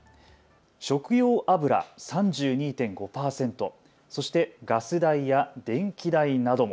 食用油３２．５％、そしてガス代や電気代なども。